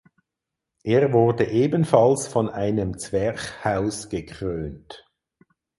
Er wurde ebenfalls von einem Zwerchhaus gekrönt.